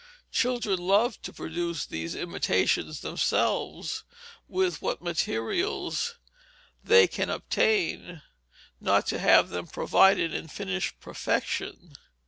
Children love to produce these imitations themselves with what materials they can obtain, not to have them provided in finished perfection.